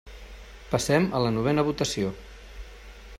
Passem a la novena votació.